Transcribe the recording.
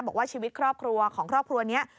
บอกว่าชีวิตครอบครัวของครอบครัวนี้